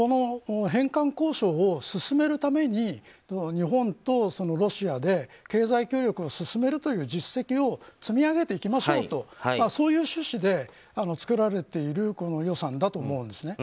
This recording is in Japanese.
返還交渉を進めるために日本とロシアで経済協力を進めるという実績を積み上げていきましょうとそういう趣旨で作られている予算だと思うんです。